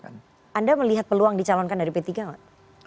anda melihat peluang di calonkan dari p tiga pak